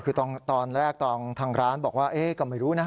คือตอนแรกตอนทางร้านบอกว่าก็ไม่รู้นะ